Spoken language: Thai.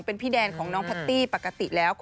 เป็นพี่แดนของน้องแพตตี้ปกติแล้ว